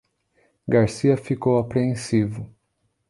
Garcia ficou apreensivo.